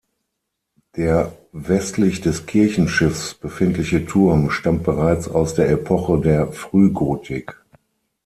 Der westlich des Kirchenschiffs befindliche Turm stammt bereits aus der Epoche der Frühgotik.